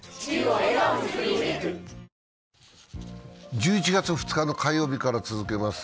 １１月２日の火曜日から続けます。